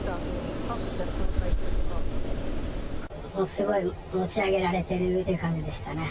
すごい持ち上げられてるという感じでしたね。